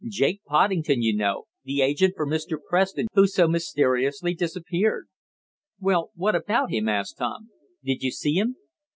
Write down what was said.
Jake Poddington you know the agent for Mr. Preston who so mysteriously disappeared." "Well, what about him?" asked Tom. "Did you see him?"